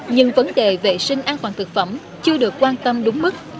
nhưng vấn đề vệ sinh an toàn thực phẩm chưa được quan tâm đúng mức